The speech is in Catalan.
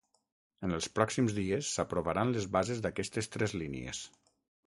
En els pròxims dies s’aprovaran les bases d’aquestes tres línies.